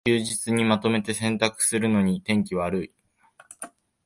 休日にまとめて洗濯するのに天気悪い